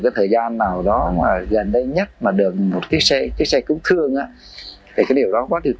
cái thời gian nào đó mà gần đây nhất mà được một cái xe cái xe cứu thương thì cái điều đó quá tuyệt